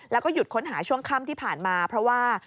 แล้วก็หยุดค้นหาช่วงค่ำที่ผ่านมาเพราะว่า